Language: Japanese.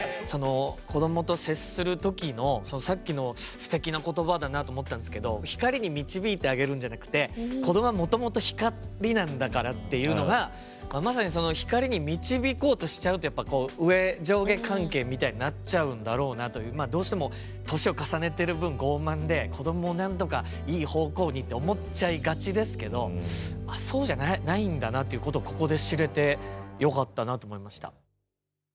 子供と接するときのさっきのすてきな言葉だなと思ったんですけど光に導いてあげるんじゃなくて子供は、もともと光なんだからっていうのが、まさにその光に導こうとしちゃうと上、上下関係みたいになっちゃうんだろうなとどうしても年を重ねてる分傲慢で、子供をなんとかいい方向にって思っちゃいがちですけどそうじゃないんだなってことをここで知れてよかったなと思いました。